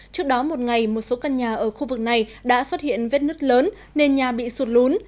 trước đó một ngày một số căn nhà ở khu vực này đã xuất hiện vết nứt lớn nên nhà bị sụt lún